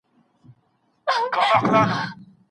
نوي تجربې د ژوند د پرمختګ لاره ده.